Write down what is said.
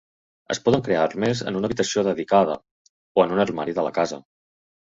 Es poden crear armers en una habitació dedicada o en un armari de la casa.